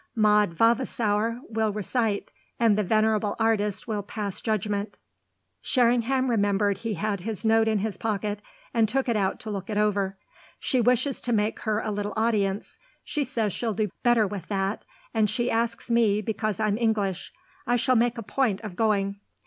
Maud Vavasour will recite, and the venerable artist will pass judgement." Sherringham remembered he had his note in his pocket and took it out to look it over. "She wishes to make her a little audience she says she'll do better with that and she asks me because I'm English. I shall make a point of going."